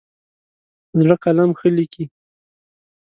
زړه قلم ښه لیکي.